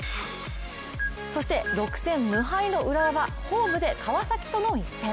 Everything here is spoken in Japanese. そして、６戦無敗の浦和はホームで川崎と一戦。